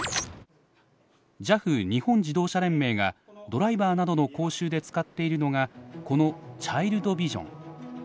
ＪＡＦ日本自動車連盟がドライバーなどの講習で使っているのがこのチャイルドビジョン。